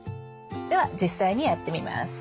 では実際にやってみます。